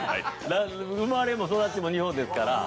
生まれも育ちも日本ですから。